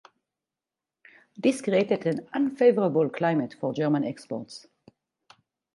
This created an unfavorable climate for German exports.